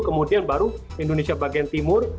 kemudian baru indonesia bagian timur